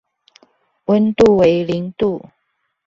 溫度為零度